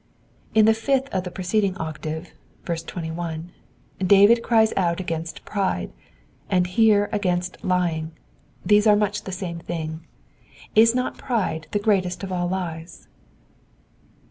In the fifth of the preceding octave (21) David cries out against pride, and here against lying —these are much the same thing. Is not pride the greatest of all lies